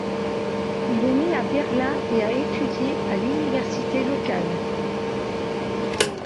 Il est né à Berlin et a étudié à l'université locale.